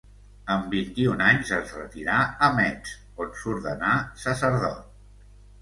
Amb vint-i-un anys es retirà a Metz, on s'ordenà sacerdot.